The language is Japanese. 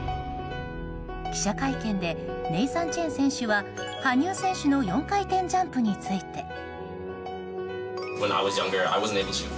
記者会見でネイサン・チェン選手は羽生選手の４回転ジャンプについて。